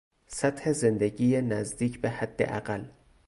سطح زندگی نزدیک به حداقل